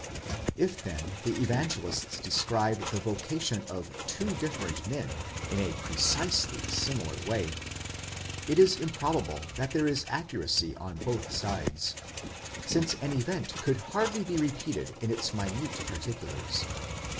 ® If then the Evangelists describe the vocation of two different men in ἃ precisely similar way, it is improbable that there is accuracy on both sides, since an event could hardly be repeated in its minute particulars.